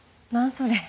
それ。